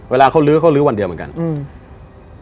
เวลาเขาลื้อเขาลื้อวันเดียวเหมือนกันอืม